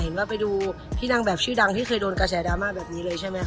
ว่าไปดูพี่นางแบบชื่อดังที่เคยโดนกระแสดราม่าแบบนี้เลยใช่ไหมค